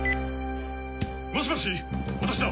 もしもし私だ！